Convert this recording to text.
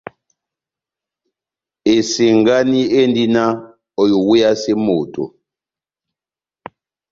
Esengani endi náh oiweyase moto.